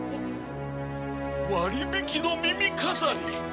割引の耳飾り！